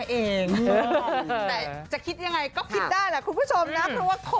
แต่จะคิดยังไงก็คิดได้นะคุณผู้ชมนะ